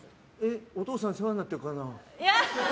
お父さんに世話になってるからな。